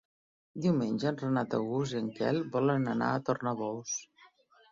Diumenge en Renat August i en Quel volen anar a Tornabous.